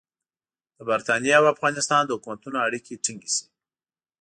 د برټانیې او افغانستان د حکومتونو اړیکې ټینګې شي.